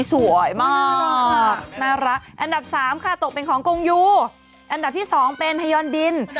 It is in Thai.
ถูกนะหน่อยลองดูหน้าสินี่